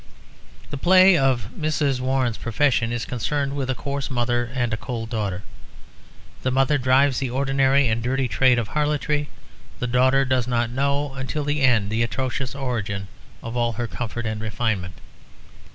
The play of Mrs. Warren's Profession is concerned with a coarse mother and a cold daughter; the mother drives the ordinary and dirty trade of harlotry; the daughter does not know until the end the atrocious origin of all her own comfort and refinement.